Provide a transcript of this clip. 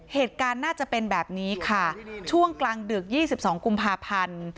เหตุการณ์น่าจะเป็นแบบนี้ค่ะช่วงกลางดึก๒๒กุมภาพันธ์